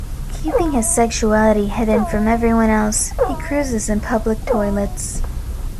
Keeping his sexuality hidden from everyone else, he cruises in public toilets.